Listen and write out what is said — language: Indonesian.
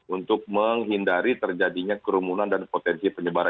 untuk menghindari terjadinya kerumunan dan potensi penyebaran